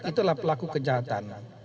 itulah pelaku kejahatan